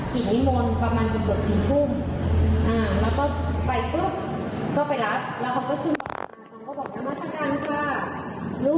เขากลับมาจากกิจนิมนต์ประมาณเกือบ๔กรุ่ม